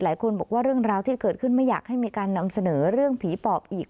หลายคนบอกว่าเรื่องราวที่เกิดขึ้นไม่อยากให้มีการนำเสนอเรื่องผีปอบอีก